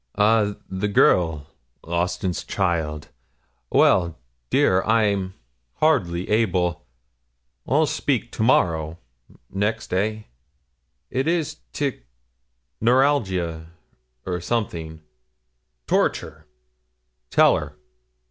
'Ah! the girl Austin's child. Well, dear, I'm hardly able I'll speak to morrow next day it is tic neuralgia, or something torture tell her.'